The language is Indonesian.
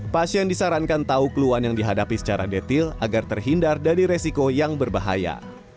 pasien disarankan tahu keluhan yang dihadapi secara detail agar terhindar dari resiko yang berbahaya